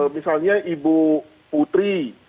misalnya ibu putri